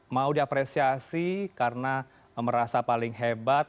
mau diapresiasi karena merasa paling hebat